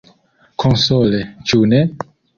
Konsole, ĉu ne?